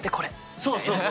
そうそうそう。